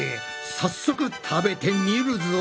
早速食べてみるぞ。